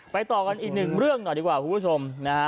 ไปต่อกันอีกหนึ่งเรื่องหน่อดีกว่าทุกผู้ชม